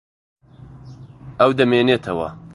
ئەو دەمێنێتەوە.